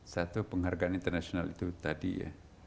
satu penghargaan internasional itu tadi ya